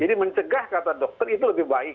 jadi mencegah kata dokter itu lebih baik